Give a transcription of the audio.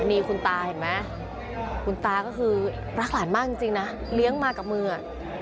นี่คุณตาเห็นไหมคุณตาก็คือรักหลานมากจริงนะเลี้ยงมากับมืออ่ะ